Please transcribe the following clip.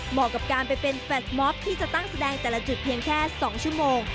กับการไปเป็นแฟลตมอบที่จะตั้งแสดงแต่ละจุดเพียงแค่๒ชั่วโมง